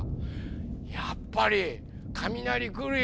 やっぱりかみなりくるよ！